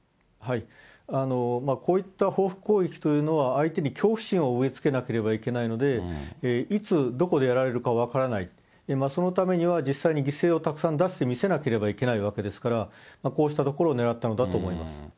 こういった報復攻撃というのは、相手に恐怖心を植え付けなければいけないので、いつ、どこでやられるか分からない、そのためには実際に犠牲をたくさん出してみせなければいけないわけですから、こうした所を狙ったのだと思います。